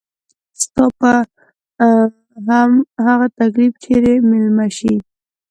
ستا به هم هغه تکليف چري ميلمه شي